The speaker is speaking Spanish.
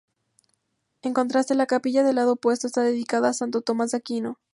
En contraste, la capilla del lado opuesto está dedicada a Santo Tomás de Aquino.